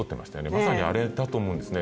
まさにあれだと思うんですよね。